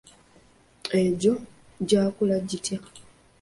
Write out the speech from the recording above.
Egyo gyakula gitya?